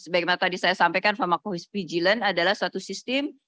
bagaimana tadi saya sampaikan pharmacovigilance adalah suatu sistem